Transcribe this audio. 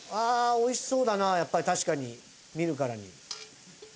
おいしそうだなやっぱり確かに見るからに。